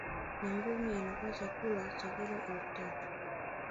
nyangumi anakula chakula cha kilo elfu tatu